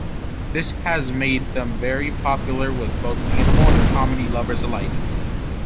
This has made them very popular with both animal and comedy lovers alike.